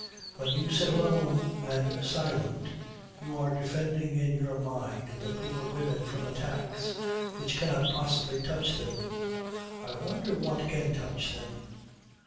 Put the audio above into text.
When you sit alone and silent you are defending in your mind the poor women from attacks which cannot possibly touch them. I wonder what can touch them?